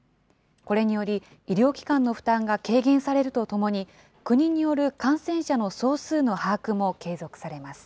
これにより、医療機関の負担が軽減されるとともに、国による感染者の総数の把握も継続されます。